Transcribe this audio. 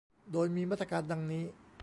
โดยมีมาตรการดังนี้